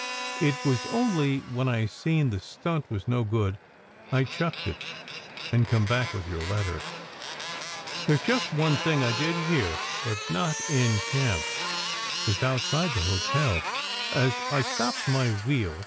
It was only when I seen the stunt was no good I chucked it and come back with your letter. There s just one thing I did hear, but not in camp. Twas outside the hotel, as I stopped my wheel.